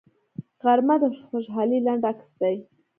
غرمه د خوشحالۍ لنډ عکس دی